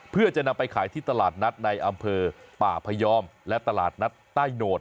เพื่อจะนำไปขายที่ตลาดนัดในอำเภอป่าพยอมและตลาดนัดใต้โหนด